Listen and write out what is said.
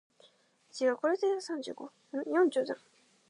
The trigonotarbid species found in the deposit were predators.